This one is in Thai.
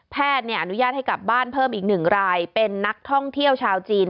อนุญาตให้กลับบ้านเพิ่มอีก๑รายเป็นนักท่องเที่ยวชาวจีน